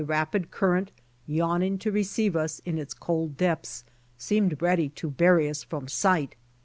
rapid current, yawning: to receive us in its cold depths, seemed ready to bury us from si^ht.